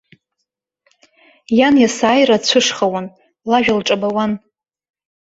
Иан есааира дцәышхауан, лажәа лҿабауан.